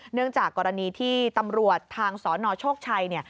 เนื่องจากกรณีที่ตำรวจทางสนโชคชัย